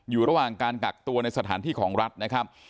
อยู่ระหว่างการกักตัวในสถานที่ของรัฐนะครับ